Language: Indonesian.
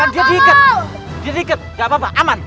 dia diikat gak apa apa aman